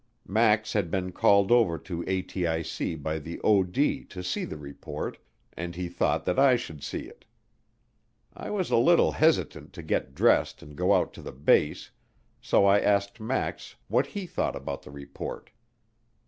Max had been called over to ATIC by the OD to see the report, and he thought that I should see it. I was a little hesitant to get dressed and go out to the base, so I asked Max what he thought about the report.